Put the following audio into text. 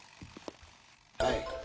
はい。